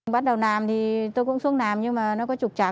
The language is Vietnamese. bắt đầu nàm thì tôi cũng xuống nàm nhưng mà nó có trục trọng